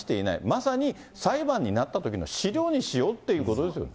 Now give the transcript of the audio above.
まさに裁判になったときの資料にしようっていうことですよ。